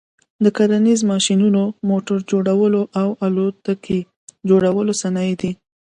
د کرنیز ماشینو، موټر جوړلو او الوتکي جوړلو صنایع دي.